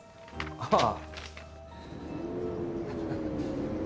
ああ。